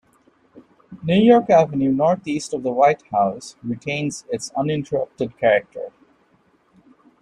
New York Avenue northeast of the White House retains its uninterrupted character.